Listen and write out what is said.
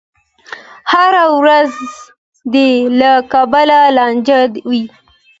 هره ورځ دې له کبله لانجه وي.